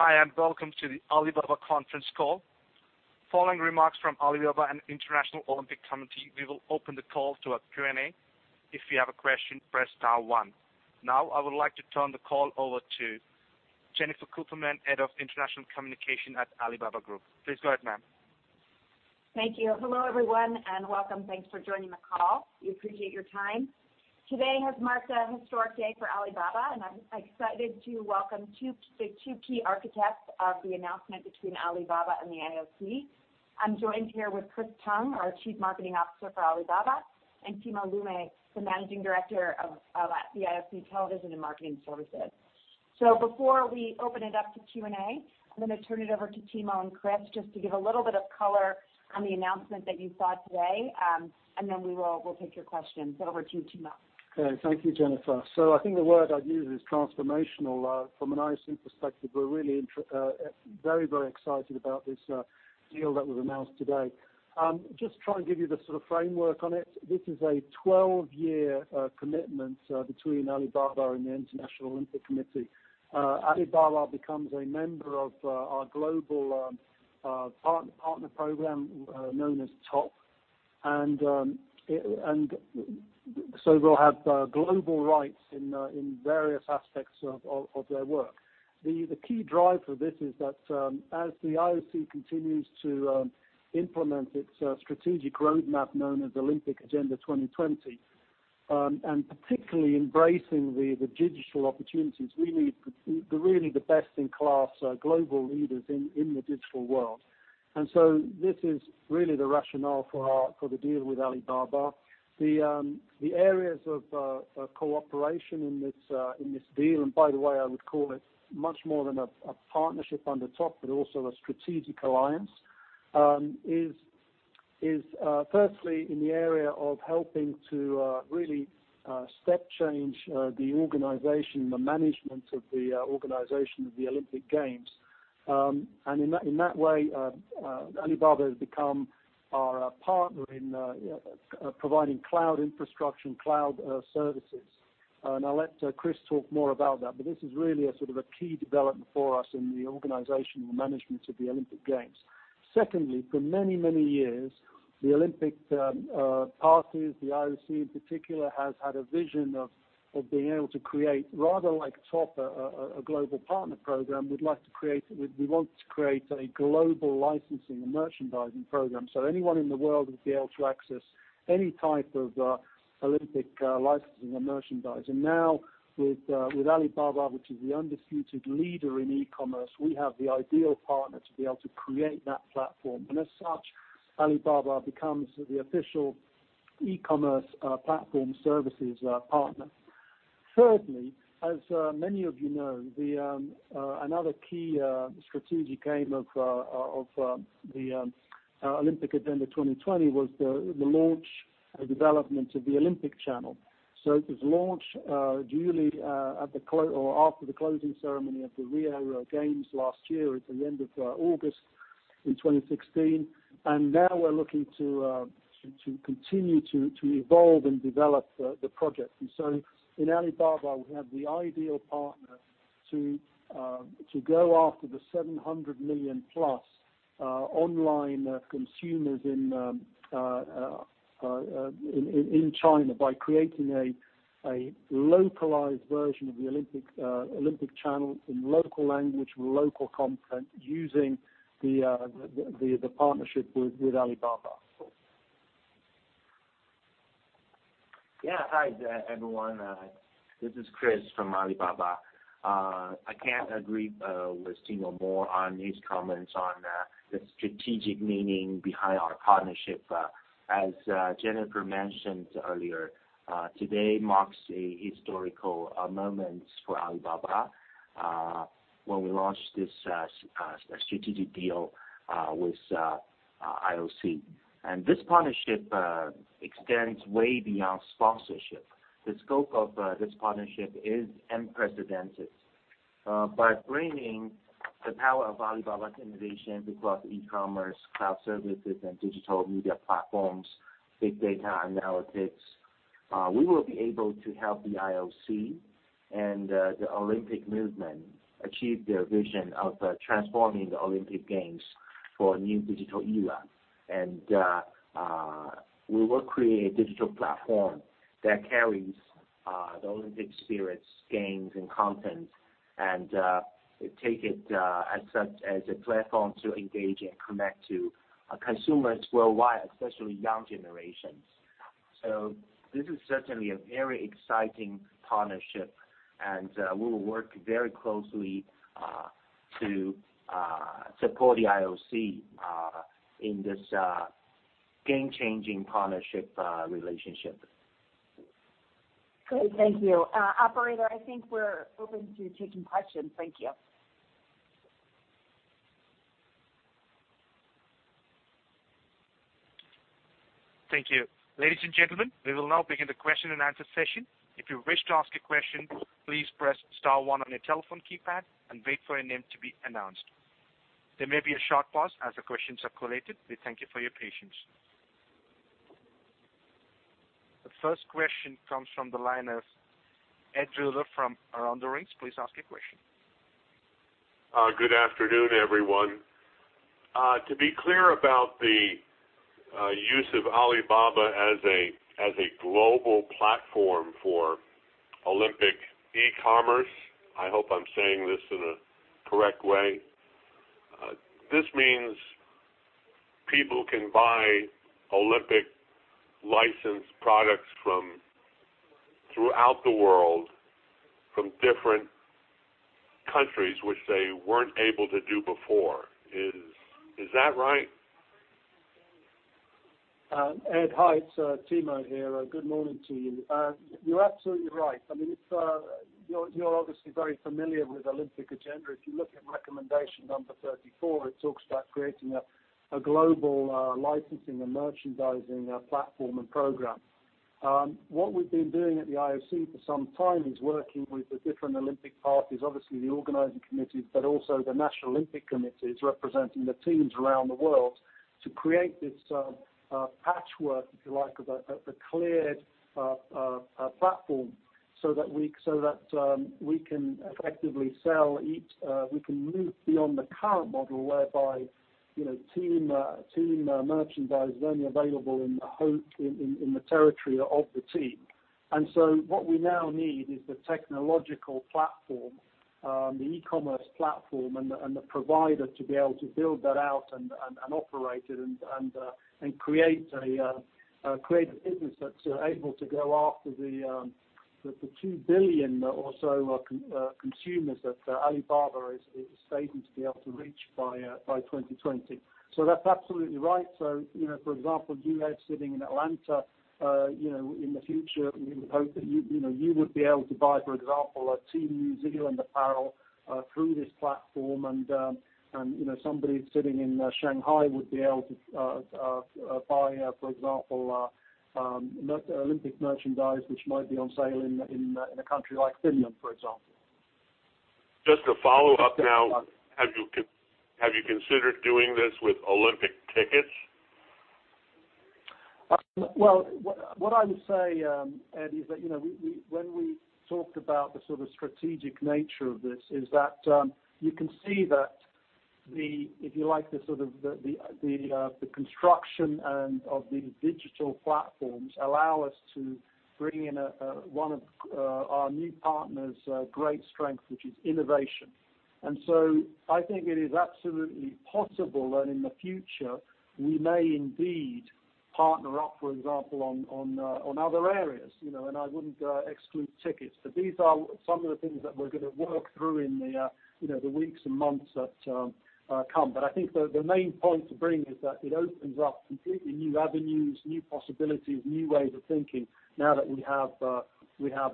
Hi, welcome to the Alibaba conference call. Following remarks from Alibaba and International Olympic Committee, we will open the call to a Q&A. If you have a question, press star one. I would like to turn the call over to Jennifer Kuperman, Head of International Communication at Alibaba Group. Please go ahead, ma'am. Thank you. Hello, everyone, welcome. Thanks for joining the call. We appreciate your time. Today has marked a historic day for Alibaba, and I'm excited to welcome the two key architects of the announcement between Alibaba and the IOC. I'm joined here with Chris Tung, our Chief Marketing Officer for Alibaba, and Timo Lumme, the Managing Director of the IOC Television and Marketing Services. Before we open it up to Q&A, I'm going to turn it over to Timo and Chris just to give a little bit of color on the announcement that you saw today, and then we'll take your questions. Over to you, Timo. Okay. Thank you, Jennifer. I think the word I'd use is transformational. From an IOC perspective, we're really very excited about this deal that was announced today. Just try and give you the sort of framework on it. This is a 12-year commitment between Alibaba and the International Olympic Committee. Alibaba becomes a member of our global partner program, known as TOP, we'll have global rights in various aspects of their work. The key drive for this is that as the IOC continues to implement its strategic roadmap known as Olympic Agenda 2020, particularly embracing the digital opportunities, we need really the best-in-class global leaders in the digital world. This is really the rationale for the deal with Alibaba. The areas of cooperation in this deal, and by the way, I would call it much more than a partnership on the TOP, but also a strategic alliance, is firstly in the area of helping to really step change the organization, the management of the organization of the Olympic Games. In that way, Alibaba has become our partner in providing cloud infrastructure and cloud services. I'll let Chris talk more about that. This is really a sort of a key development for us in the organization and the management of the Olympic Games. Secondly, for many years, the Olympic parties, the IOC in particular, has had a vision of being able to create, rather like TOP, a global partner program. We want to create a global licensing and merchandising program, so anyone in the world would be able to access any type of Olympic licensing or merchandise. Now with Alibaba, which is the undisputed leader in e-commerce, we have the ideal partner to be able to create that platform. As such, Alibaba becomes the official e-commerce platform services partner. Thirdly, as many of you know, another key strategic aim of the Olympic Agenda 2020 was the launch and development of the Olympic Channel. It was launched duly after the closing ceremony of the Rio Games last year at the end of August in 2016. Now we're looking to continue to evolve and develop the project. In Alibaba, we have the ideal partner to go after the 700 million-plus online consumers in China by creating a localized version of the Olympic Channel in local language, local content, using the partnership with Alibaba. Yeah. Hi, everyone. This is Chris from Alibaba. I can't agree with Timo more on his comments on the strategic meaning behind our partnership. As Jennifer mentioned earlier, today marks a historical moment for Alibaba when we launched this strategic deal with IOC. This partnership extends way beyond sponsorship. The scope of this partnership is unprecedented. By bringing the power of Alibaba's innovation across e-commerce, cloud services, and digital media platforms, big data analytics, we will be able to help the IOC and the Olympic movement achieve their vision of transforming the Olympic Games for a new digital era. We will create a digital platform that carries the Olympic spirits, games, and content, and take it as a platform to engage and connect to consumers worldwide, especially young generations. This is certainly a very exciting partnership, and we will work very closely to support the IOC in this game-changing partnership relationship. Great. Thank you. Operator, I think we're open to taking questions. Thank you. Thank you. Ladies and gentlemen, we will now begin the question and answer session. If you wish to ask a question, please press star one on your telephone keypad and wait for your name to be announced. There may be a short pause as the questions are collated. We thank you for your patience. The first question comes from the line of Ed Ruder from Around the Rings. Please ask your question. Good afternoon, everyone. To be clear about the use of Alibaba as a global platform for Olympic e-commerce, I hope I'm saying this in a correct way. This means people can buy Olympic licensed products from throughout the world, from different countries, which they weren't able to do before. Is that right? Ed, hi. It's Timo here. Good morning to you. You're absolutely right. You're obviously very familiar with Olympic Agenda. If you look at Recommendation 34, it talks about creating a global licensing and merchandising platform and program. What we've been doing at the IOC for some time is working with the different Olympic parties, obviously the organizing committees, but also the National Olympic Committees, representing the teams around the world to create this patchwork, if you like, of a cleared platform so that we can move beyond the current model whereby team merchandise is only available in the territory of the team. What we now need is the technological platform, the e-commerce platform, and the provider to be able to build that out and operate it and create a business that's able to go after the 2 billion or so consumers that Alibaba is stating to be able to reach by 2020. That's absolutely right. For example, you, Ed, sitting in Atlanta, in the future, we would hope that you would be able to buy, for example, Team New Zealand apparel through this platform. Somebody sitting in Shanghai would be able to buy, for example, Olympic merchandise, which might be on sale in a country like Finland, for example. Just a follow-up now. Have you considered doing this with Olympic tickets? Well, what I would say, Ed, is that when we talked about the sort of strategic nature of this, is that you can see that the construction of these digital platforms allow us to bring in one of our new partner's great strengths, which is innovation. I think it is absolutely possible that in the future, we may indeed partner up, for example, on other areas, and I wouldn't exclude tickets. These are some of the things that we're going to work through in the weeks and months that come. I think the main point to bring is that it opens up completely new avenues, new possibilities, new ways of thinking now that we have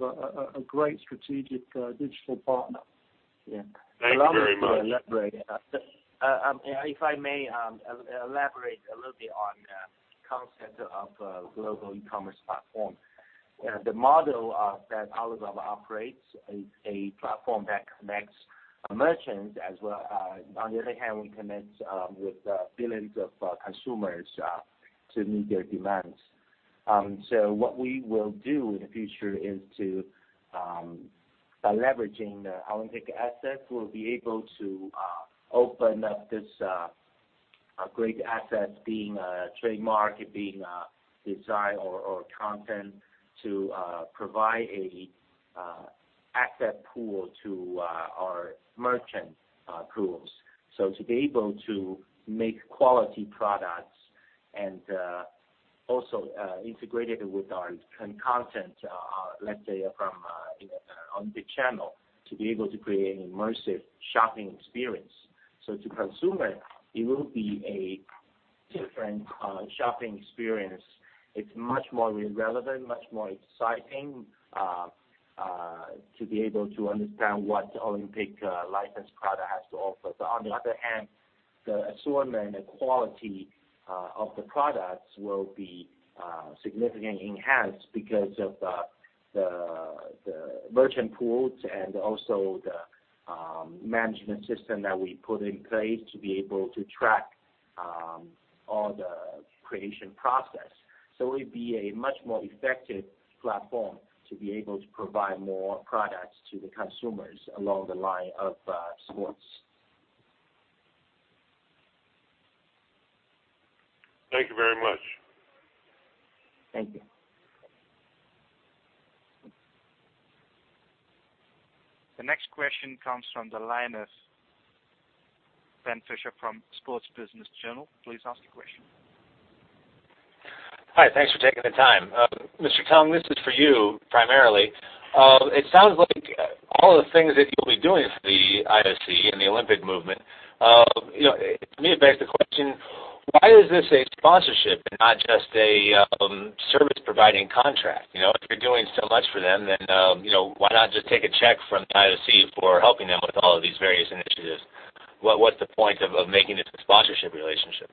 a great strategic digital partner. Yeah. Thank you very much. If I may elaborate a little bit on the concept of a global e-commerce platform. The model that Alibaba operates is a platform that connects merchants as well. On the other hand, we connect with billions of consumers to meet their demands. What we will do in the future is by leveraging the Olympic assets, we'll be able to open up this great asset, being a trademark, being a design or content, to provide an asset pool to our merchant pools. To be able to make quality products and also integrate it with our content, let's say from the Channel, to be able to create an immersive shopping experience. To consumers, it will be a different shopping experience. It's much more relevant, much more exciting to be able to understand what Olympic licensed product has to offer. On the other hand, the assortment, the quality of the products will be significantly enhanced because of the merchant pools and also the management system that we put in place to be able to track all the creation process. It'd be a much more effective platform to be able to provide more products to the consumers along the line of sports. Thank you very much. Thank you. The next question comes from the line of Ben Fischer from Sports Business Journal. Please ask your question. Hi. Thanks for taking the time. Mr. Tung, this is for you primarily. It sounds like all the things that you'll be doing for the IOC and the Olympic Movement, to me, it begs the question, why is this a sponsorship and not just a service-providing contract? If you're doing so much for them, why not just take a check from the IOC for helping them with all of these various initiatives? What's the point of making this a sponsorship relationship?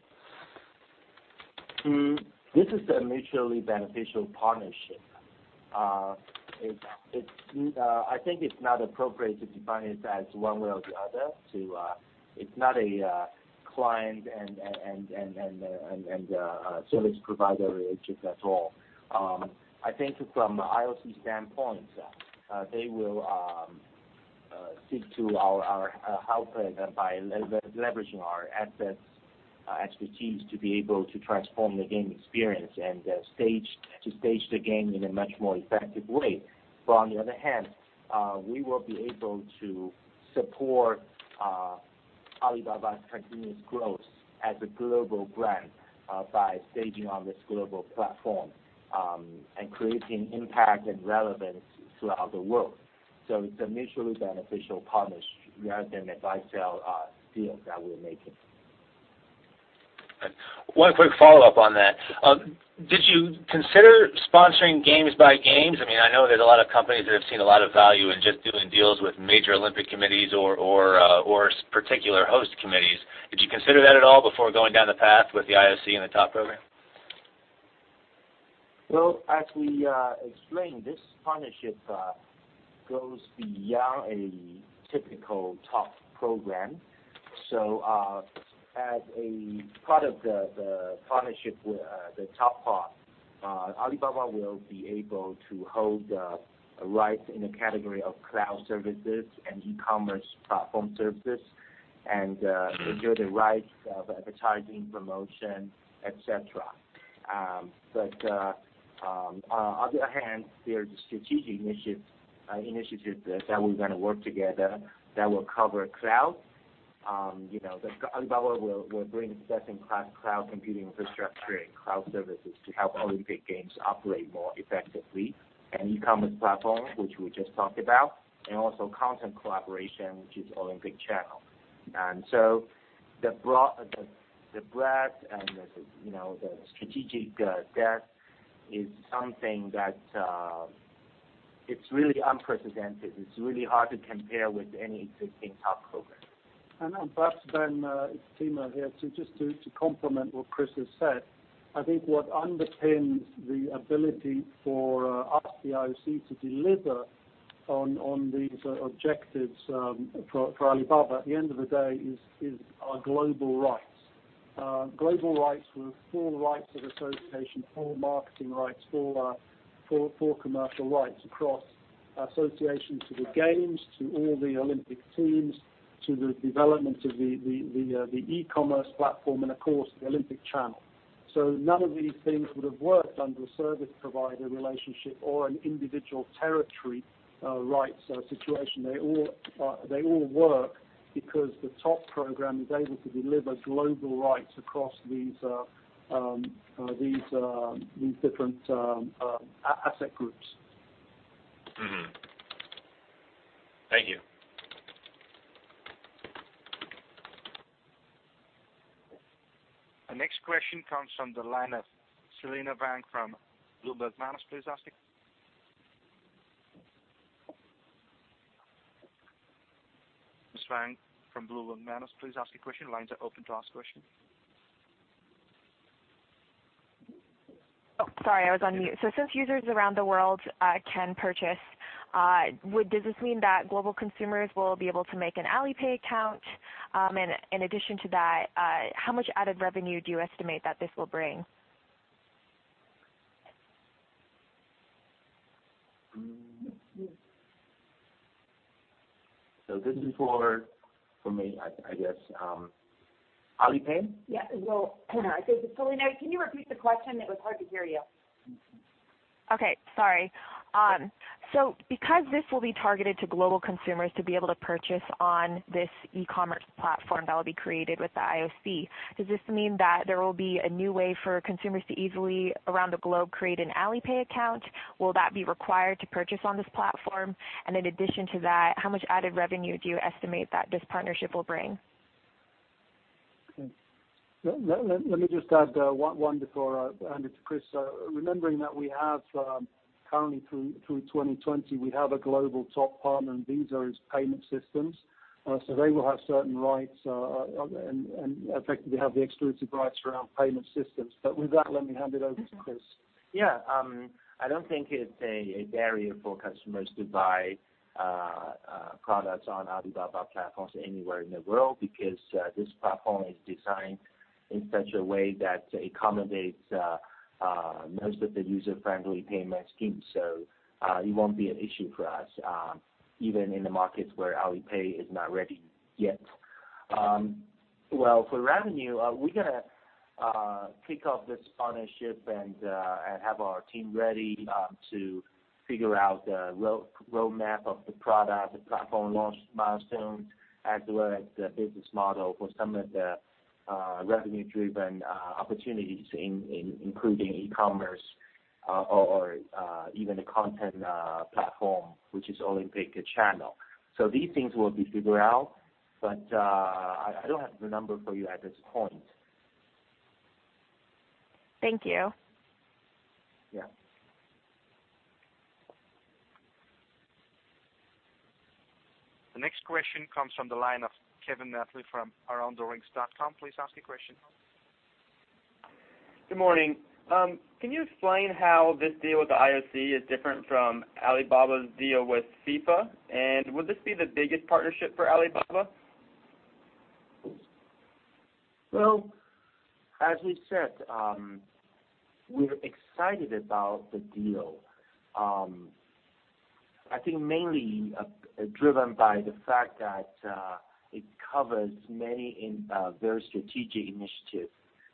This is a mutually beneficial partnership. I think it's not appropriate to define it as one way or the other. It's not a client and service provider relationship at all. I think from the IOC standpoint, they will seek our help by leveraging our assets, expertise to be able to transform the game experience and to stage the game in a much more effective way. On the other hand, we will be able to support Alibaba's continuous growth as a global brand by staging on this global platform, and creating impact and relevance throughout the world. It's a mutually beneficial partnership rather than a buy-sell deal that we're making. One quick follow-up on that. Did you consider sponsoring games by games? I know there's a lot of companies that have seen a lot of value in just doing deals with major Olympic committees or particular host committees. Did you consider that at all before going down the path with the IOC and the TOP program? Well, as we explained, this partnership goes beyond a typical TOP program. As a part of the partnership with the top part, Alibaba will be able to hold the rights in the category of cloud services and e-commerce platform services and enjoy the rights of advertising, promotion, et cetera. On the other hand, there are strategic initiatives that we're going to work together that will cover cloud. Alibaba will bring best-in-class cloud computing infrastructure and cloud services to help Olympic Games operate more effectively, and e-commerce platform, which we just talked about, and also content collaboration, which is Olympic Channel. The breadth and the strategic depth is something that is really unprecedented. It's really hard to compare with any existing TOP program. Perhaps then, it's Timo here. Just to complement what Chris has said, I think what underpins the ability for us, the IOC, to deliver on these objectives for Alibaba, at the end of the day, is our global rights. Global rights with full rights of association, full marketing rights, full commercial rights across associations to the games, to all the Olympic teams, to the development of the e-commerce platform, and of course, the Olympic Channel. None of these things would have worked under a service provider relationship or an individual territory rights situation. They all work because the TOP program is able to deliver global rights across these different asset groups. Mm-hmm. Thank you. Our next question comes from the line of Selina Wang from Bloomberg News. Please ask it. Ms. Wang from Bloomberg News, please ask your question. Lines are open to ask question. Oh, sorry, I was on mute. Since users around the world can purchase, does this mean that global consumers will be able to make an Alipay account? In addition to that, how much added revenue do you estimate that this will bring? This is for me, I guess. Alipay? Selina, can you repeat the question? It was hard to hear you. Okay. Sorry. Because this will be targeted to global consumers to be able to purchase on this e-commerce platform that will be created with the IOC, does this mean that there will be a new way for consumers to easily, around the globe, create an Alipay account? Will that be required to purchase on this platform? In addition to that, how much added revenue do you estimate that this partnership will bring? Okay. Let me just add one before I hand it to Chris. Remembering that we have currently, through 2020, we have a global TOP partner, Visa is payment systems. They will have certain rights, effectively have the exclusive rights around payment systems. With that, let me hand it over to Chris. I don't think it's a barrier for customers to buy products on Alibaba platforms anywhere in the world because this platform is designed in such a way that accommodates most of the user-friendly payment schemes. It won't be an issue for us, even in the markets where Alipay is not ready yet. For revenue, we're going to kick off this partnership and have our team ready to figure out the roadmap of the product, the platform launch milestones, as well as the business model for some of the revenue-driven opportunities, including e-commerce or even the content platform, which is Olympic Channel. These things will be figured out, but I don't have the number for you at this point. Thank you. Yeah. The next question comes from the line of Kevin Matthew from aroundtherings.com. Please ask your question. Good morning. Can you explain how this deal with the IOC is different from Alibaba's deal with FIFA? Would this be the biggest partnership for Alibaba? Well, as we said, we're excited about the deal. I think mainly driven by the fact that it covers many very strategic initiatives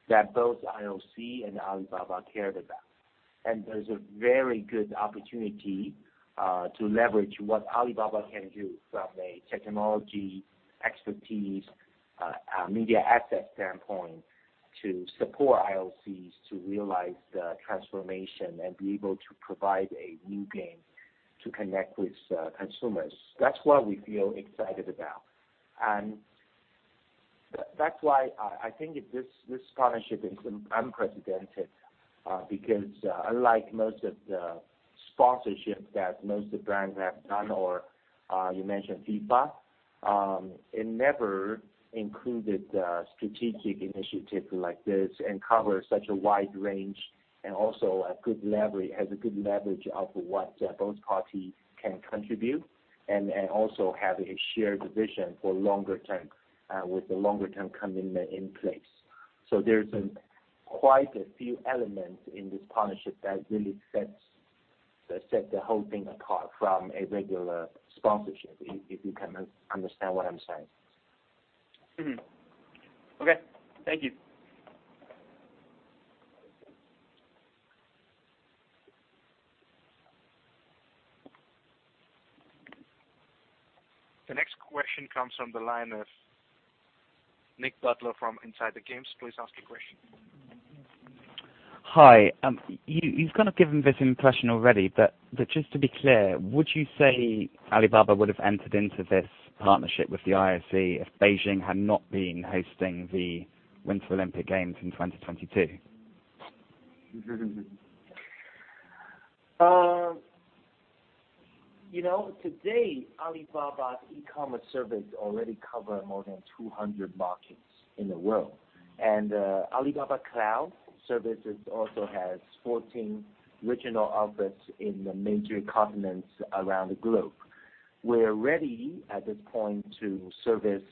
that both IOC and Alibaba cared about. There's a very good opportunity to leverage what Alibaba can do from a technology expertise, media asset standpoint to support IOC to realize the transformation and be able to provide a new game to connect with consumers. That's what we feel excited about. That's why I think this partnership is unprecedented, because unlike most of the sponsorships that most of the brands have done or you mentioned FIFA, it never included a strategic initiative like this and covers such a wide range and also has a good leverage of what both parties can contribute and also have a shared vision for longer term with the longer-term commitment in place. There's quite a few elements in this partnership that really sets the whole thing apart from a regular sponsorship, if you can understand what I'm saying. Okay. Thank you. The next question comes from the line of Nick Butler from Inside the Games. Please ask your question. Hi. You've kind of given this impression already, but just to be clear, would you say Alibaba would have entered into this partnership with the IOC if Beijing had not been hosting the Winter Olympic Games in 2022? Today, Alibaba's e-commerce service already cover more than 200 markets in the world. Alibaba Cloud services also has 14 regional offices in the major continents around the globe. We're ready at this point to service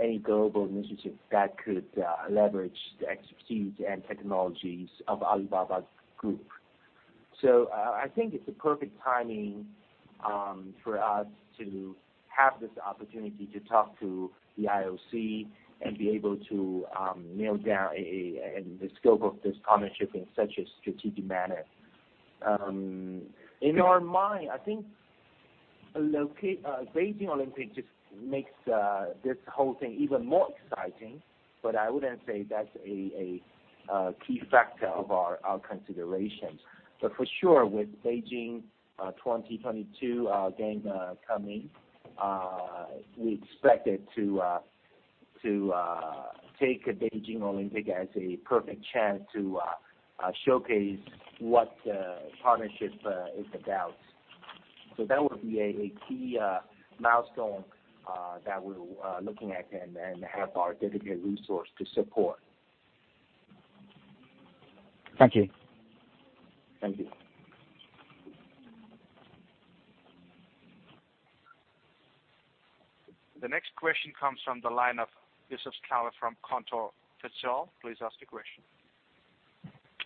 any global initiative that could leverage the expertise and technologies of Alibaba Group. I think it's a perfect timing for us to have this opportunity to talk to the IOC and be able to nail down the scope of this partnership in such a strategic manner. In our mind, I think Beijing Olympic just makes this whole thing even more exciting, but I wouldn't say that's a key factor of our considerations. For sure, with Beijing 2022 game coming, we expected to take Beijing Olympic as a perfect chance to showcase what the partnership is about. That would be a key milestone that we're looking at and have our dedicated resource to support. Thank you. Thank you. The next question comes from the line of Joseph Skyler from Cantor Fitzgerald. Please ask the question.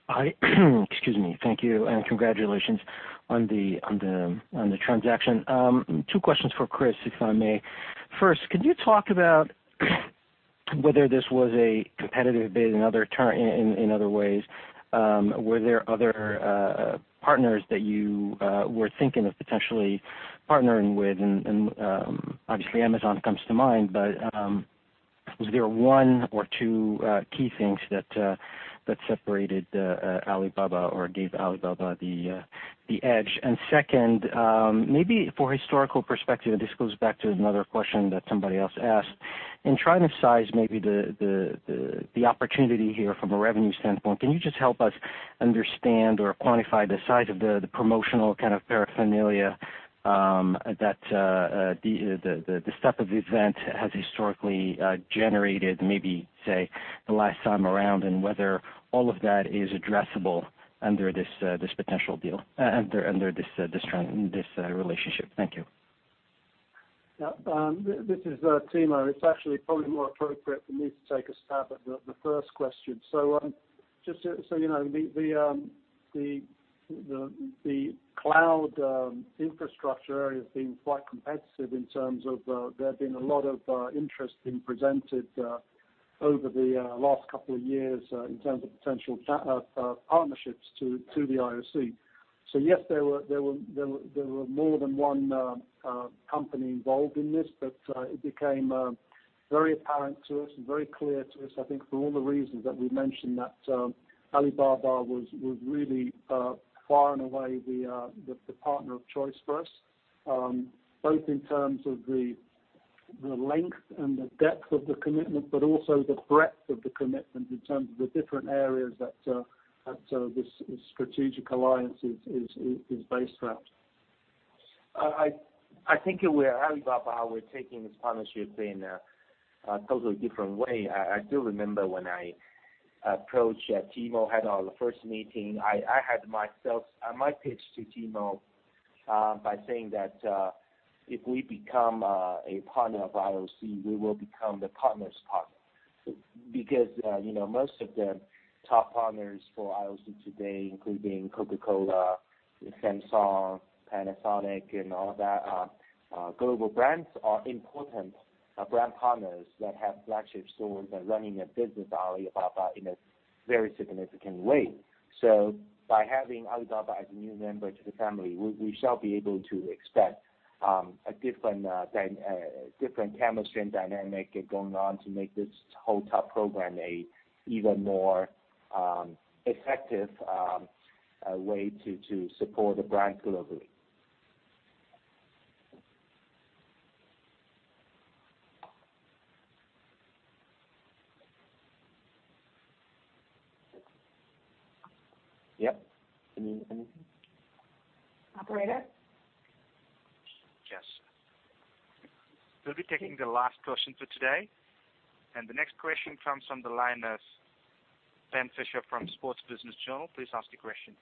Hi. Excuse me. Thank you, and congratulations on the transaction. Two questions for Chris, if I may. First, could you talk about whether this was a competitive bid in other ways? Were there other partners that you were thinking of potentially partnering with? Obviously Amazon comes to mind, was there one or two key things that separated Alibaba or gave Alibaba the edge? Second, maybe for historical perspective, this goes back to another question that somebody else asked. In trying to size maybe the opportunity here from a revenue standpoint, can you just help us understand or quantify the size of the promotional kind of paraphernalia that the type of event has historically generated, maybe, say, the last time around, and whether all of that is addressable under this potential deal, under this relationship. Thank you. This is Timo. It's actually probably more appropriate for me to take a stab at the first question. Just so you know, the cloud infrastructure area has been quite competitive in terms of there have been a lot of interest being presented over the last couple of years in terms of potential partnerships to the IOC. Yes, there were more than one company involved in this, but it became very apparent to us and very clear to us, I think, for all the reasons that we mentioned that Alibaba was really far and away the partner of choice for us, both in terms of the length and the depth of the commitment, but also the breadth of the commitment in terms of the different areas that this strategic alliance is based throughout. I think at Alibaba, we're taking this partnership in a totally different way. I still remember when I approached Timo, had our first meeting, I had my pitch to Timo by saying that if we become a partner of IOC, we will become the partner's partner. Because most of the top partners for IOC today, including Coca-Cola, Samsung, Panasonic, and all that, global brands are important brand partners that have flagship stores and running a business at Alibaba in a very significant way. By having Alibaba as a new member to the family, we shall be able to expect a different chemistry and dynamic going on to make this whole TOP program an even more effective way to support the brand globally. Yep. Anything? Operator? Yes. We'll be taking the last question for today, the next question comes from the line of Ben Fischer from Sports Business Journal. Please ask the question.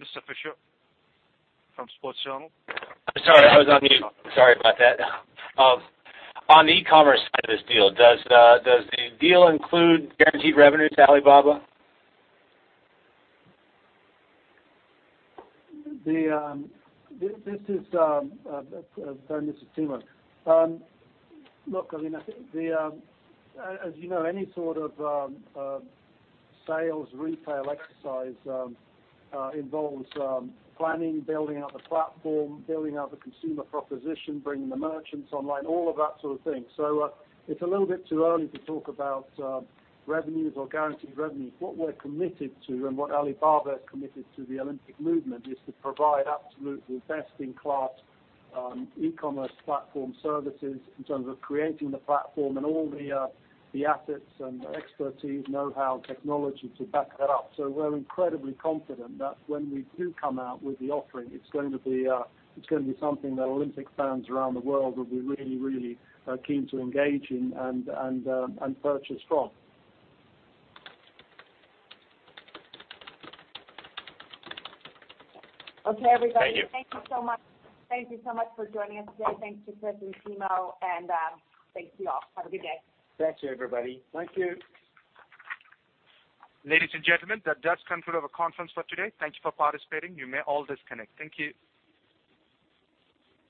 Mr. Fischer from Sports Journal? Sorry, I was on mute. Sorry about that. On the e-commerce side of this deal, does the deal include guaranteed revenues to Alibaba? This is Bernie, Mr. Timo. Look, as you know, any sort of sales retail exercise involves planning, building out the platform, building out the consumer proposition, bringing the merchants online, all of that sort of thing. It's a little bit too early to talk about revenues or guaranteed revenues. What we're committed to and what Alibaba is committed to the Olympic movement is to provide absolutely best-in-class e-commerce platform services in terms of creating the platform and all the assets and expertise, know-how, technology to back that up. We're incredibly confident that when we do come out with the offering, it's going to be something that Olympic fans around the world will be really, really keen to engage in and purchase from. Okay, everybody. Thank you. Thank you so much for joining us today. Thanks to Chris and Timo. Thanks to you all. Have a good day. Thank you, everybody. Thank you. Ladies and gentlemen, that does conclude our conference for today. Thank you for participating. You may all disconnect. Thank you.